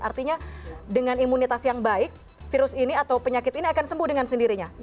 artinya dengan imunitas yang baik virus ini atau penyakit ini akan sembuh dengan sendirinya